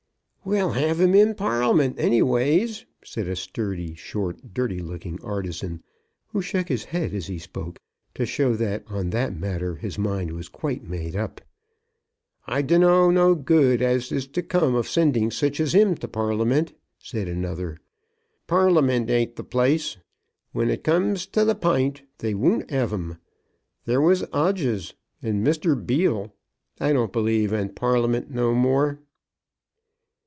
"We'll have 'im in parl'ament any ways," said a sturdy, short, dirty looking artizan, who shook his head as he spoke to show that, on that matter, his mind was quite made up. "I dunno no good as is to cum of sending sich as him to parl'ament," said another. "Parl'ament ain't the place. When it comes to the p'int they won't 'ave 'em. There was Odgers, and Mr. Beale. I don't b'lieve in parl'ament no more."